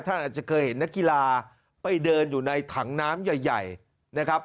ท่านอาจจะเคยเห็นนักกีฬาไปเดินอยู่ในถังน้ำใหญ่นะครับ